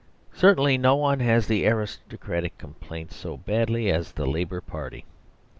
Certainly no one has the aristocratic complaint so badly as the Labour Party.